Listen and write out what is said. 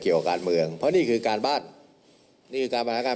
เกี่ยวกับการเมืองเพราะนี่คือการบ้านนี่การบันดาการ